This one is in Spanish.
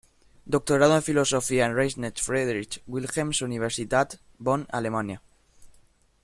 Doctorado en Filosofía en Rheinische Friedrich Wilhelms-Universitat, Bonn, Alemania.